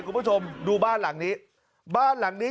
คุณผู้ชมดูบ้านหลังนี้บ้านหลังนี้